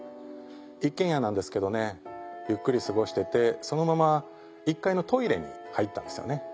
一軒家なんですけどねゆっくり過ごしててそのまま１階のトイレに入ったんですよね。